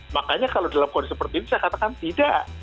makanya kalau dalam kondisi seperti ini saya katakan tidak